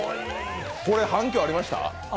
これ、反響ありました？